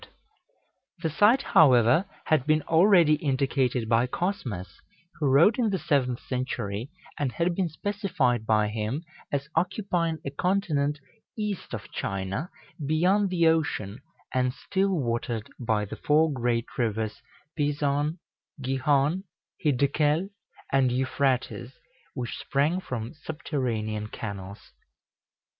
The site, however, had been already indicated by Cosmas, who wrote in the seventh century, and had been specified by him as occupying a continent east of China, beyond the ocean, and still watered by the four great rivers Pison, Gihon, Hiddekel, and Euphrates, which sprang from subterranean canals.